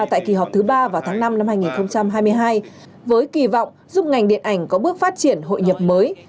tại kỳ họp thứ ba vào tháng năm năm hai nghìn hai mươi hai với kỳ vọng giúp ngành điện ảnh có bước phát triển hội nhập mới